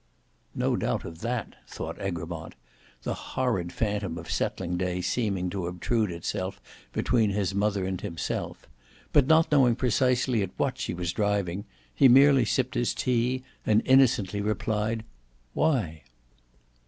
"No doubt of that," thought Egremont, the horrid phantom of settling day seeming to obtrude itself between his mother and himself; but not knowing precisely at what she was driving, he merely sipped his tea, and innocently replied, "Why?"